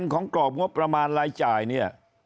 ของกรอบงบประมาณรายจ่ายเนี่ย